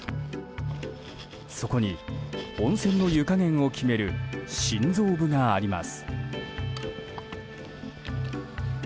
そこに、温泉の湯加減を決める心臓部があります。